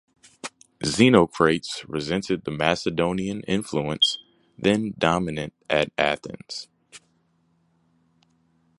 Xenocrates resented the Macedonian influence then dominant at Athens.